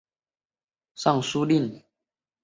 以功迁尚书令。